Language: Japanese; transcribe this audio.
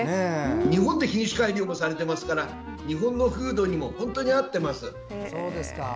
日本で品種改良がされていますから日本の風土にも本当に合ってます。